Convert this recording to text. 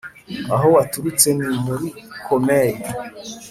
Aho waturutse ni murikomeye.